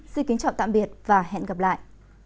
xin kính chào tạm biệt và hẹn gặp lại